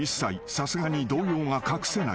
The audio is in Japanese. さすがに動揺が隠せない］